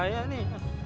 banyak daya nih